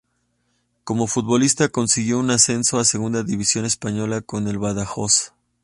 Como futbolista consiguió un ascenso a Segunda división española con el Badajoz.